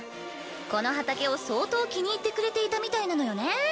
この畑を相当気に入ってくれていたみたいなのよね。